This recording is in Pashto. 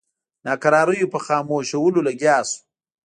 ناکراریو په خاموشولو لګیا شو.